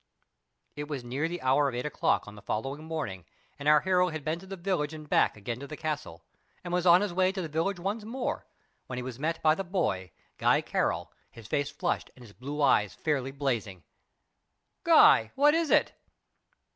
It was near the hour of eight o'clock on the following morning, and our hero had been to the village and back again to the castle, and was on his way to the village once more, when he was met by the boy, Guy Carroll, his face flushed and his blue eyes fairly blazing. "Guy! What is it?"